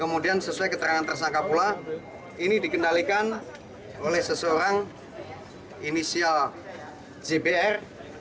kemudian sesuai keterangan tersangka pula ini dikendalikan oleh seseorang inisial jbr